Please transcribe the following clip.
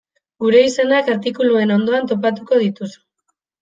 Gure izenak artikuluen ondoan topatuko dituzu.